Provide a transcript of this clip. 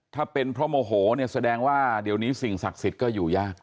ถ้าเป็นเพราะโมโหเนี่ยแสดงว่าเดี๋ยวนี้สิ่งศักดิ์สิทธิ์ก็อยู่ยาก